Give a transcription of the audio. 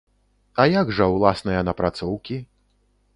А як жа ўласныя напрацоўкі?